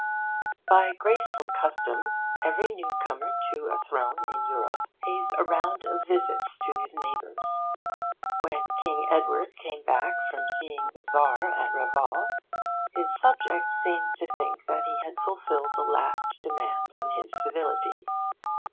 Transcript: By graceful custom, every newcomer to a throne in Europe pays a round of visits to his neighbours. When King Edward came back from seeing the Tsar at Reval, his subjects seemed to think that he had fulfilled the last demand on his civility.